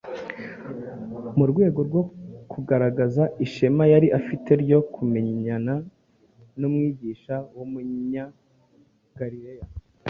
Mu rwego rwo kugaragaza ishema yari afite ryo kumenyana n’Umwigisha w’Umunyagalileya,